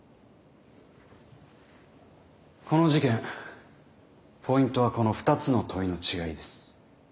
この事件ポイントはこの２つの問いの違いです。